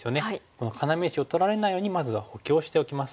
この要石を取られないようにまずは補強しておきます。